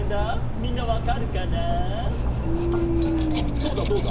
どうだどうだ？